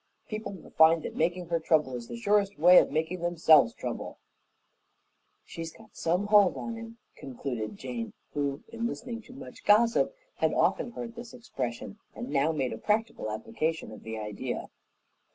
People will find that making her trouble is the surest way of making themselves trouble." "She's got some hold on 'im," concluded Jane, who, in listening to much gossip, had often heard this expression, and now made a practical application of the idea.